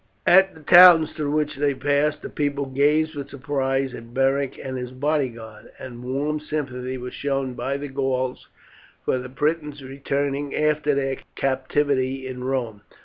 At the towns through which they passed the people gazed with surprise at Beric and his bodyguard, and warm sympathy was shown by the Gauls for the Britons returning after their captivity in Rome.